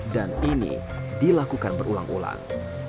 dan ini dilakukan berulang ulang